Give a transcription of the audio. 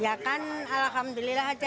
ya kan alhamdulillah